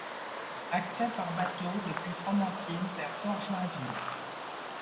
Accès par bateau depuis Fromentine vers Port-Joinville.